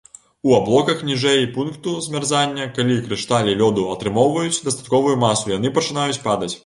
У аблоках ніжэй пункту замярзання, калі крышталі лёду атрымоўваюць дастатковую масу, яны пачынаюць падаць.